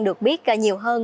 được biết nhiều hơn